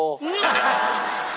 ハハハ！